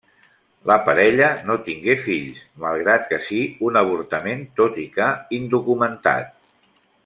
La parella no tingué fills malgrat que si un avortament tot i que indocumentat.